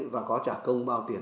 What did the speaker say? và có trả công bao tiền